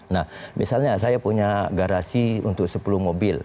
nah misalnya saya punya garasi untuk sepuluh mobil